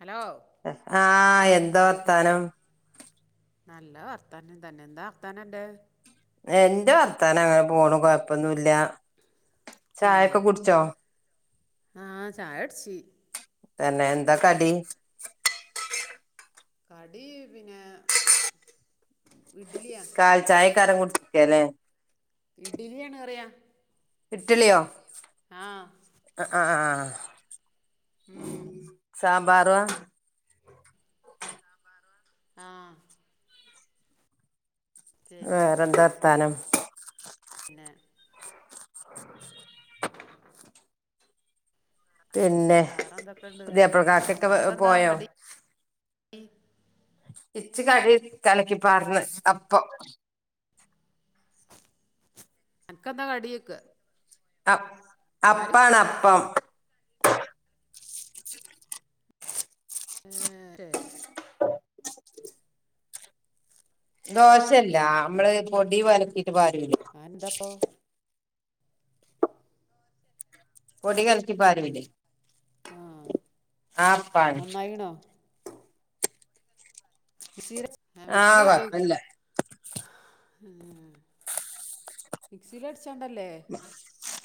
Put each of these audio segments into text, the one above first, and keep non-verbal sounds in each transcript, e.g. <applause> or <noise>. Hello ആഹ് എന്തോവർത്താനം നല്ല വർത്താനം തന്നെ എന്താ ർത്താനെന്റെ എന്റെ വർത്താനം അങ്ങനെ പോണ് കൊഴപ്പൊന്നുംല്ല ചായൊക്കെ കുടിച്ചോ? ആഹ് ചായൊടിച്ചി തന്നെ എന്താ കടി കടി പിന്നെ ഇഡ്ഡലിയാ കാൽചായകാരം കുടിക്കലേ ഇടിലിയാണ് പറിയാ ഇറ്റിലിയോ അഹ് ആഹ ഉം സാമ്പാറ്വ ആഹ വേറെന്തർത്താനം ന്നെ പിന്നെ വേറെ എന്തൊക്കെയുണ്ട് പുതിയാപ്പൾകാക്കൊക്കെ പോയോ? ഇൻ ഇച്ച കടിളക്കി പാർന്ന് അപ്പാ എൻക്കെന്താ കടിയൊയ്ക്ക് അ അപ്പാണ് അപ്പം ഉ ശെ ദോശല്ലമ്മള് പൊടി വല ആ എന്താപ്പൊ പൊടി കൽക്കി പാരുലെ ആഹ ആ പ്പാണ് സീരെ ആഹ് കൊഴ്പ്പല്ല ഉ മിക്സിലടിച്ചാണ്ടല്ലേ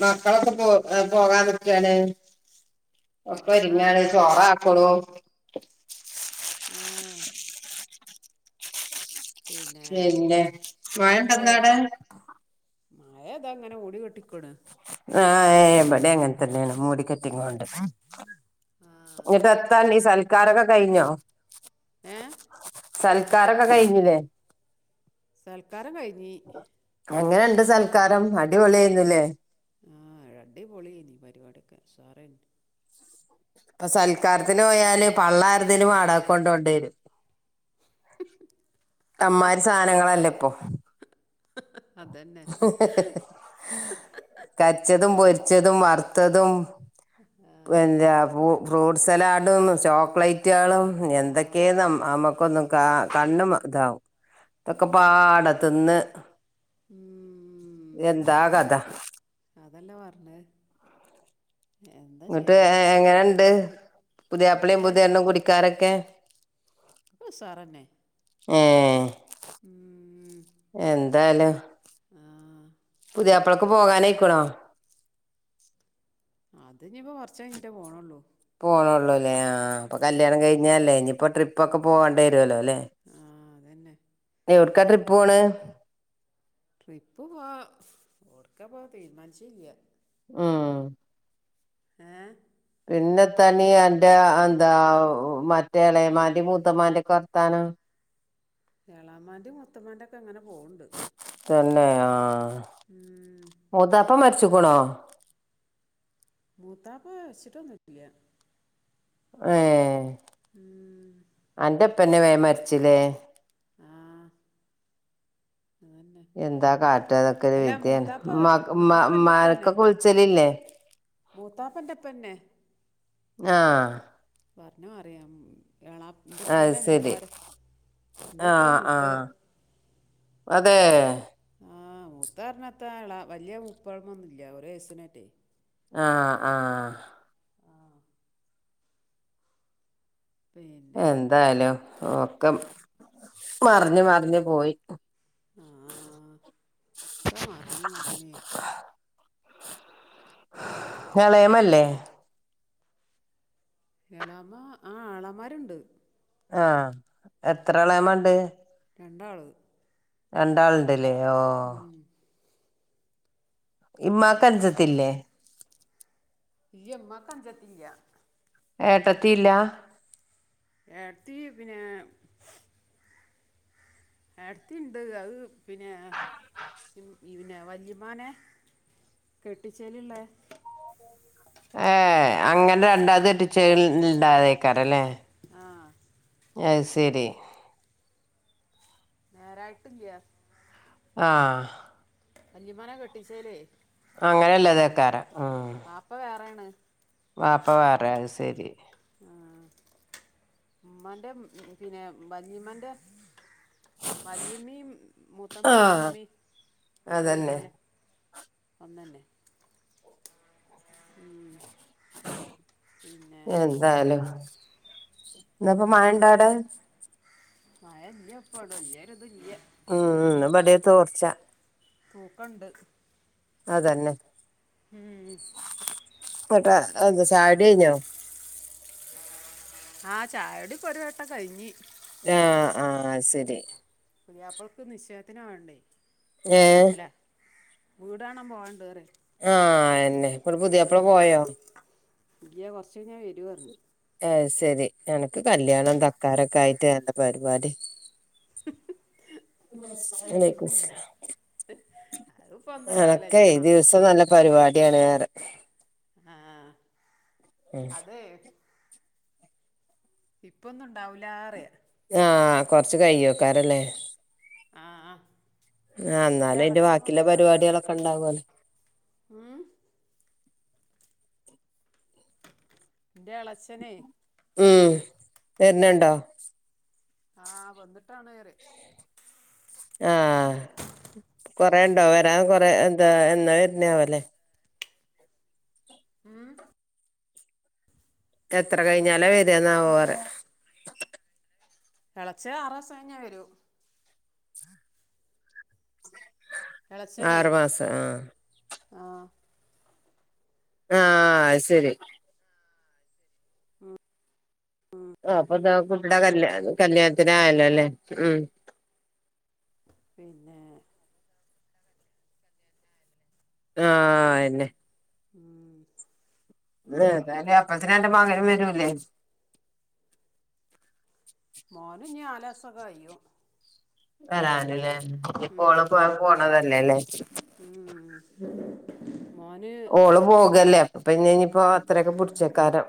മക്കളൊക്കെ പോ പോകാനിക്കാണ് ആ ഒക്കരിങ്ങാൻ സോറാക്കണു ആ പിന്നെ മയോണ്ടാന്നാടെ? മഴതാങ്ങനെ ഓടികെട്ടിക്കണ് ആഹടെ അങ്ങനെ തന്നെയാണ് മൂടിക്കെട്ടിങ്ങ കൊണ്ട് ആഹ് ഇങ്ങിട്ട എത്താണ്ണി സൽക്കാരൊക്കെ കഴിഞ്ഞോ ഏ സൽക്കാരൊക്കെ കഴിഞ്ഞില്ലേ സൽക്കാരം കഴിഞ്ഞി എങ്ങനെയുണ്ട് സൽക്കാരം അടിപൊളി ആയിരുന്നുലെ ആഹ അട പൊളിയ നീ പരിപാടിയൊക്കെ സാറേ ഇപ്പൊ സൽക്കാരത്തിന് പോയാല് പള്ളാരരുന്നിലും ആടാക്കൊണ്ട കൊണ്ട വരും അമ്മാര് സാധനങ്ങളല്ലേ ഇപ്പൊ <unintelligible> കര്ച്ചതും പൊരിച്ചതും വറുത്തതും ആഹ് എന്താ ഫ്രൂട്ട് സലാഡും ചോക്ലേറ്റ് തയാളും എന്തൊക്കെയ നമ്മക്കൊന്നും കാ കണ്ും ഇതാവും ഇതൊക്കെ അതന്നെ പാട തിന്ന് ഉം എന്താ കഥ അതല്ലെ പറഞ്ഞ് ന്ന്ട്ട് എങ്ങനെണ്ട് ഏ പുതിയാപ്പളെം പുതിയെണ്ണും കുടിക്കാരൊക്കെ ഉസാറന്നെ ഏ ഉം എന്താലും ആ പുതിയാപ്പളക്ക് പോകാനായിക്കുണോ അതിഞ്ഞിപ്പോ കൊർച്ചേഞ്ഞ്ട്ടേ പോണുള്ളൂ പോണൊള്ളൂ ല്ലേ ആ പ്പൊ ഉം കല്യാണം കഴിഞ്ഞല്ലേ ഇനിപ്പോ ട്രിപ്പ് ഒക്കെ പോകേണ്ടേരേരോലോലെ ആ അതന്നെ എവ്ട്ക്കാ ട്രിപ്പ് പോണ് ട്രിപ്പ് പ്പോ ഏട്ക്കാ പോ തീരുമാനിച്ചീല ആ ഏ പിന്നെത്താണ്ണീ അന്റെ ന്താ മറ്റേ ഇളയമ്മാന്റേം മൂത്തമ്മാന്റേം ഒക്കെ വർത്താനം. ആ ഏളാമാൻൻ്റെം മൂത്തമ്മാൻ്റേം ഒക്കെ ഇങ്ങനെ പോണ്ട് തന്നെ ആ മുത്താപ്പ മര്ച്ച്ക്ക്ണോ? മൂത്താപ്പ മരിച്ചിട്ടൊന്നുല്ല്യ ഏ ഉം അന്റെപ്പെന്നെ വേം മരിച്ചിലേ ആ അതന്നെ എന്താ കാട്ടതൊക്കെ ഒരു അല്ല വിദ്യാണ് മൂത്താപ്പ മ്മ മ്മ മ്മാർക്കൊക്കെ വിളിച്ഛലില്ലേ മൂത്താപ്പൻന്റെപ്പന്നെ ആ പറഞ്ഞ അറിയാം എളാ അത് ഇന്റെപ്പന്റെ ശരി അഞ്ചന്മാര് ആ ഇന്റെപ്പെ മൂത്ത് അതേ ആ മൂത്താറിഞ്ഞാന്താ എളാ വല്യയ മൂപ്പഴമൊന്നുമല്ല ഒരു വയസിനറ്റേ ആ ആ പിന്നെ എന്തായാലും ഒക്കെ മറിഞ്ഞ് മറിഞ്ഞ് പോയി ആ <unintelligible> മർഞ്ഞി മർഞ്ഞി ളയമല്ലേ എളാമ്മ ആ ആളമാരുണ്ട് ആഹ എത്രളാമണ്ട് രണ്ടാള് രണ്ടാൾണ്ട്ല്ലേ ഓ പിന്നെ ഇമ്മാക്കഞ്ചത്തില്ലേ കാഞ്ചത്തില്ല ഏട്ടത്തിയില്ലാ എട്ട്ത്തി പിന്നെ ഏട്ട്ത്തിണ്ട് അത് പിന്നെ പിന്നെ വല്ലിമ്മാനെ കെട്ടിച്ചേല് ഇള്ളെ ഏ അങ്ങനെ രണ്ടാത്തെച്ചേല് ഇണ്ടായതേക്കാരല്ലേ ആ അഹ്സെരി നേരായിട്ടി ല്ല്യ ആ വലിയുമ്മാനെ കെട്ടിച്ചേലേ അങ്ങനെയ്ളളതേക്കാരം പാപ്പ വേറേണ് വപ്പ വേറെ അഹ്സരി ഉമ്മാൻ്റെ പിന്നെ വല്ലിമ്മാൻ്റെ വലിയമ്മീം ആ മൂത്ത്മാന്റെമ്മീ അതന്നെ ഒരുപോലെ ഒന്നാനെ ഉം എന്തായാലും ഇന്ന് പ്പോ മഴായുണ്ടോ അവിടെ മഴന്ന് പ്പവടെ വല്യ ഒര് തല്യ ഉം ഇന്ന് ഇവിടെയും തോർച്ച പൂക്കണ്ട് അതന്നെ പട്ട എന്താ ചായുടികഴിഞ്ഞോ ആ ചായടിപ്പൊ ഒരു വട്ടം കഴിഞ്ഞി ആ ആ ശരി പുലിയാപ്പളക്ക് നിച്ചേയത്തിന് പോവണ്ടേ ഏ വീടാണ പോവാണ്ട് റിയാ ആഹ എന്നന്നെ ഇ പുതിയപ്പള പോയോ ഇല്ല കുറച്ചകഴിഞ്ഞ് വരും പറഞ്ഞു ശെരി എനക്ക് കല്യാണം തക്കാരൊക്കെ ആയിട്ട് എന്താ പരിപാടി വാലേക്കും അസ്ലം അതിപ്പോ ഒന്നും ഉണ്ടാവില്ല എനക്കെ കല്യാണം ദിവസം നല്ല പരിപാടിയാണ് റിയാ അതെ ഇപ്പൊന്നുംണ്ടാവൂലാറിയാ ആ കൊറച്ച് കൈ യോ ക്കാാരല്ലേ ആ ആ ആ അതിൻ്റെ എന്നാലും അതിന്റെ ഇളച്ചൻ ബാക്കിയിള്ള പരിപാടികളൊക്കെ ഉണ്ടാവോലോ മ്മ് എന്റെ ഇളയാച്ചനെ ഉം.... ആ വന്നിട്ടാണ് റിയാ ആഹ കൊറെ ണ്ടോ വരാൻ കൊറെ എന്താ എന്നാ വർണ വലെ ഉം എത്ര കഴിഞ്ഞാല വരന്നാവോ ഇളച്ച ആറ് ദിവസം കഴിഞ്ഞേ വരൂ ഇളച്ചനെ ആറ് മാസം ആ ആ ആ അയ് ശരി ആ അപ്പൊ ഇന്താ കുട്ടിയുടെ കല്യാ കല്യാണത്തിന് ആയല്ലോ ല്ലേ ഉം പിന്നെ ആ അന്നെ ഉം, തായാലും അപ്പഴത്തിന് അന്റെ മകനും വരൂലേ <unintelligible> സക്കോ യ്യും വരാനല്ലേ ഇ പോണ പോ പോണതല്ലേല്ലേ ഉം മോന് ഓള് പോകല്ലേ അപ്പോ പിന്നെ ഇനിപ്പോ അത്രയൊക്കെ പിടിച്ചേക്കാരം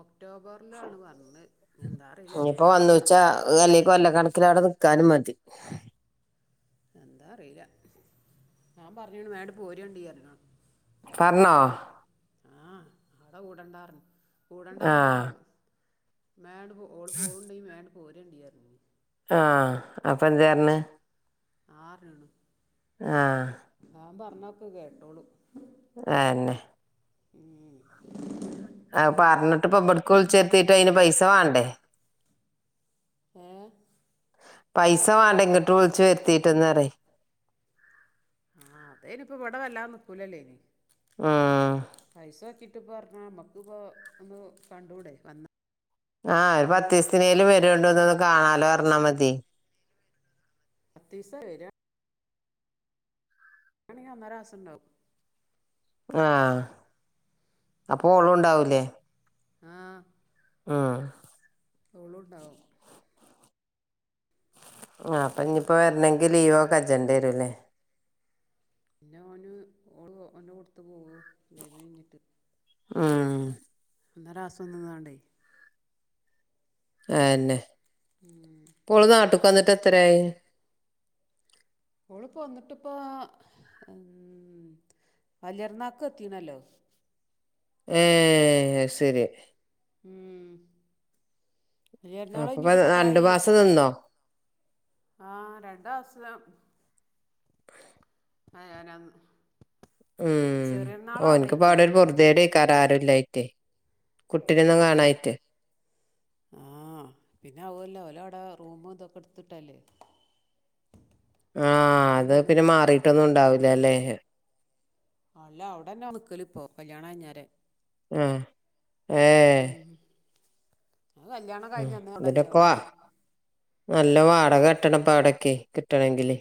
ഒക്ടോബറിലാണ് പറഞ്ഞത് എന്താ അറിയില്ല ജനുവരി കലട നിക്കാനും മതി എന്താ അറിയില്ല ഞാൻ പറഞ്ഞ വേണ്ട പോരണ്ടീര പറഞ്ഞോ ആഹ അവിടെ കൂടണ്ടാറരുന്നു കൂടണ്ടന്നല്ല ആഹ് അവിട മേണ്ട പോ ഓ പോകണ്ട മേണ്ട പോവ രണ്ടി അ ആഹ അപ്പൊ എന്തായി പറഞ്ഞെ ആറാണ് ആഹ ഞാൻ പറഞ്ഞൊക്കെ കേട്ടോളൂ അന്നേ ഉം അ ഇപ്പം പറഞ്ഞിട്ട് ഇബടക്ക് വിളിച്ചര്ത്തീട്ട് അയിന് പൈസ വാണ്ടേ ഏ പൈസ വാണ്ടെ ങ്ങട്ട് വിളിച്ചു വരുത്തിട്ട്ന്നറിയെ ഇനിയിപ്പം വടവല്ലാദെ നിക്കൂലല്ലയ്ന് ആഹ പറഞ്ഞ മ്മക്ക് ഇപ്പോ ഒന്ന് കണ്ടൂടെ വന്ന ആഹ ഒരു പത്ത് ദിവസ്ത്തിനേലും വരണ്ടോന്ന് കാണാലോ പർഞ്ഞാ മതി പത്തീസ വരാ മാണെങ്കി ഒന്നരാസം ണ്ടാവും ആ അപ്പൊ ഉം ഓളുണ്ടാവൂലേ ആഹ് ആ ഓളുണ്ടാവും ആ അപ്പൊ ഇഞ്ഞിപ്പോ വരണെങ്കിൽ ലീവോക്കെ കജ്ജണ്ടിവരൂല്ലേ പിന്നെ ഓന് ഓളും ഓന്റെ കൂട്ടത്ത് പോകും ലീവ് കഴിഞ്ഞിട്ട് ആ ഒന്നരാസം നിന്നാണ്ടേ ആന്നെ പ്പോൾ നാട്ട് വന്നിട്ട് എത്രായി ഓളിപ്പോ വന്നിട്ട്പ്പൊ ഉം വല്യര്ന്നാക്ക് എത്തീണല്ലോ ഏ അയ് ശരി ഉം വലിയർന്നാൾ അപ്പപ്പ കഴിഞ്ഞിട്ട് രണ്ടു പ്പൊത്രായി മാസം നിന്നോ ആ രണ്ടാസം ആ ആരാ <unintelligible> ണ് ഉം ഓന്ക്ക് പ്പൊ അവുടെ ഒരു പൊറുതെടക്കാരം ആരുല്ലായിറ്റേ ആഹ ആഹ പിന്നെ അവുല്ല ഓല അവിടെ റൂമും ഇതൊക്കെ എടുത്തിട്ടല്ലേ ആഹ അത് പിന്നെ ആളില്ലാഞ്ഞാല് മാറീട്ടൊന്നും ഉണ്ടാവൂല്ല ല്ലേ അല്ല അവിടെന്നാ നിക്കല് ഇപ്പോൊ കല്യാണം കയിഞ്ഞാരെ ആ ഏ അ കല്ല്യാണം ഉം കഴിഞ്ഞന്നെ അവ്‌ടല്ലേ ഇതിനൊക്കെ വാ ഓല് നല്ല വാടക കെട്ടണപ്പം അവിടക്കെ കിട്ടണങ്കില്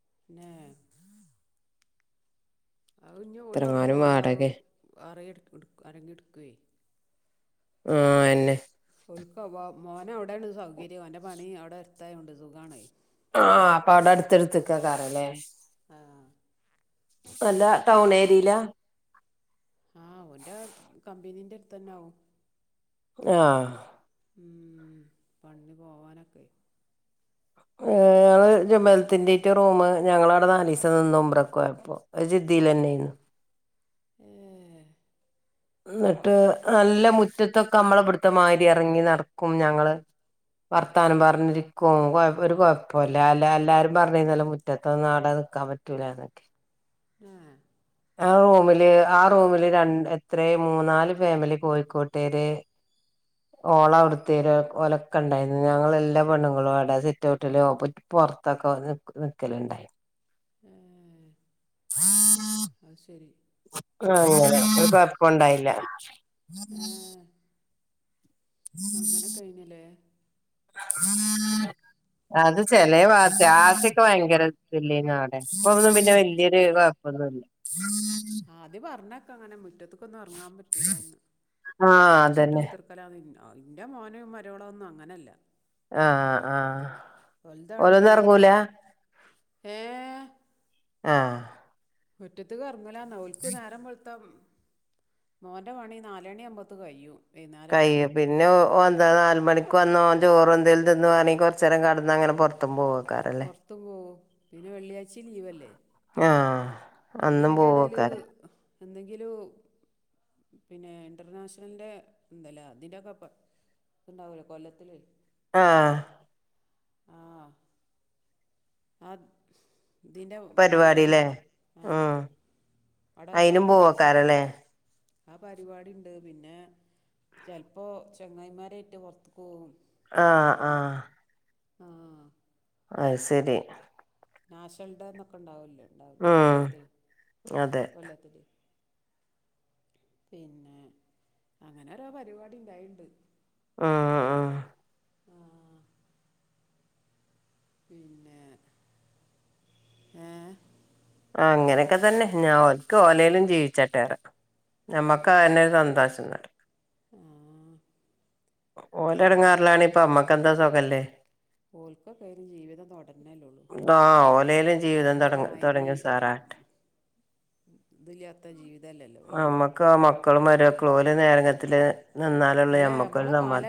<inaudible> അ ഇഞ് ഓല് അവുടന്നു ഇത്രങ്ങാനും പൊന്ന വാടക ആരെങ്കിലും ഇട്ക്കോയി ആ അ അന്നെ മോന് അവിടെണ് സൗകര്യം അവന്റെ പണി അവിടെ അടുത്തയൊണ്ട് സുഖണ് ആഹ് അപ്പൊ അവിടെ അടുത്തടുത്തക്ക ക്കാറല്ലേ ആഹ് നല്ല ടൗൺ ഏരിയിലാ ആഹ് അവന്റെ കമ്പനീന്റെ അടുത്ത്ന്നൊവും ആഹ ഉം വണ്ട്ി പോവാനൊക്കെ ഏ ജുമലത്തിന്റെ റൂ് ഞങ്ങള അവിടെ നാലീസ നിന്നുമമ്പറക്ക അപ്പൊ ജിദ്ദിൽന്നെയായിന്ന് ഏ എന്നിട്ട് നല്ല മുറ്റത്തൊക്കെ നമ്മള പിടുത്തെ മാതിരി ഇറങ്ങി നടക്കും ഞങ്ങള് വർത്താനം പറഞ്ഞിരിക്കും ഒരു കുഴപ്പമില്ല എല്ലാരും പറഞ്ഞിരുന്നല്ലോ മുറ്റത്ത് നാട ക്കാൻ പറ്റൂലാനൊക്കെ <unintelligible> ആ റൂമില് ആ റൂമില് രണ്ട് എത്ര മൂന്നാല് ഫാമിലി കോയിക്കോട്ടേര് ഓള അവിടുത്ത ര് ഒലക്ക ഉണ്ടായിന്ന് ഞങ്ങള് എല്ലാ പെണ്ണുങ്ങളും അവിടെ സിറ്റ് ഔട്ടില് പൊറത്തൊക്കെ നിക്കലുണ്ടായി <inaudible> അത് ശരി ആഹ ഒരു കുഴപ്പുണ്ടായില്ല ഏഹ് അങ്ങനെ കഴിഞ്ഞിലേ അത് ചെ ലേഭാഗത്ത് ആദ്യക്കെ ഭയങ്കര ഇല്ല രുന്നുഅവിടെ ഇപ്പ ഒന്നും പിന്നെ വ ല്ല്യയൊരുപ്പ അ <unintelligible> ആത് പറഞ്ഞൊക്കെ അങ്ങനെ മുറ്റ അതുക്കൊന്നും ഇറങ്ങാൻ പറ്റൂലാന്ന് ആഹ് അടിച്ചിട്ട് അതന്നെ കുത്തിർക്കലാണ് <unintelligible> ആ്്ന്റെ മോനും മര്യോളും ഒന്നും അങ്ങനെയല്ല ആഹ ആഹ് ഓൽതവിടെ ഓലൊന്നും ജോളി ഇറങ്ങൂല ആഹ മുറ്റത്ത് ഇറങ്ങുലാ ഓൽക്ക് നേരം വെളുത്ത മോന്റെ പണി നാലണി ആവുപത്തിന്ന് കഴു കയ്യും പിന്നെ വന്ന നാല മണിക്ക് വന്നോ ഒചോറ് എന്തേലും തിന്ന് വാണെങ്കിൽ കുറചേരം കടന്ന് അങ്ങനെ പുറത്തും പോകും പൊറത്തു പോകും പിന്നെ വെള്ളിയാഴ്ച ലീവല്ലേ ആഹ പിന്നെ അന്നും അതിൻ്റെ ഇടയിൽ പോവാക്കാരം എന്തെങ്കിലും പിന്നെ ഇന്റർനാഷണലിൻറെ ഇന്തല്ലേ അതിൻ്റെയൊക്കെ ഉണ്ടാവൂലേ കൊല്ലത്തില് ആഹ് ആ ആ ഇതിറെ പരിപാടില്ലേ പരിപാടിുണ്ട് ആഹ ഉം അയിനും പോവാക്കറല്ലേ ആ പരിപാടി ഉണ്ട് പിന്നെ ചെലപ്പോ ചെങ്ങായിമാരേറ്റ് പുറത്തക്ക് പോകും ആഹ ആഹ ആഹ അഹ ശരി നാഷൽ ഡേ എന്നൊക്കെ ഉണ്ടാവല്ലേ ഉണ്ടാവും ഉം കൊല്ലത്തില് അതെ കൊല്ലത്തില് പിന്നെ അങ്ങനെരാ പരിപാടി ഇണ്ടായിുണ്ട് ആഹ ആഹ ആ പിന്നെ ഏ അങ്ങനെയൊക്കെ തന്നെ ഞാൻ ഓൽക്ക് ഓലലും ജീവിച്ചാട്ടേ നമ്മക്ക് അ അതന്നെ. തന്നെസന്തോഷം ആ ഓല് നമ്മളെ ഇടങ്ങാറലാാണ് ഇപ്പൊ ഇമ്മക്ക ന്താ സുഖല്ലേ ഓൽക്കക്കയിന് ജീവിതം തൊട ആ ഓലേലം ജീവിതം തുട നമ്മളൊക്കെ മാതിരി തുടങ്ങി ഉസാറാവട്ടെ ഇതില്ലാത്ത ജീവിത അല്ലല്ലോ ഓൽതു നമ്മക്ക് മക്കളും മരുമക്കളും ഓല് നേരത്തില് നിന്നാലുള്ള അല്ല ഞമ്മക്കരു നമ്മളെ കാലം സമാ